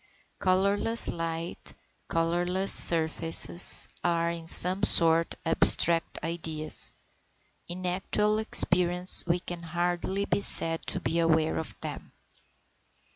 Colourless light, colourless surfaces, are, in some sort, abstract ideas; in actual experience we can hardly be said to be aware of them.